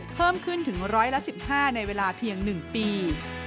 เพิ่มขึ้นถึง๑๑๕ในเวลาเพียง๑ปี